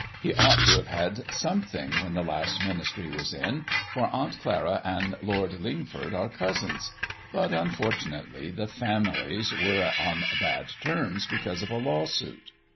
He ought to have had something when the last ministry was in, for Aunt Clara and Lord Lingford are cousins; but, unfortunately, the families were on bad terms because of a lawsuit."